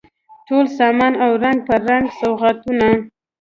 ټول سامان او رنګ په رنګ سوغاتونه